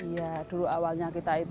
iya dulu awalnya kita itu